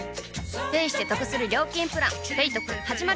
ペイしてトクする料金プラン「ペイトク」始まる！